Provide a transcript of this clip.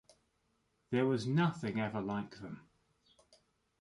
There was nothing ever like them.